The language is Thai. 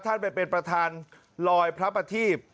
ท่านเป็นประธานรอยพระปฏิบ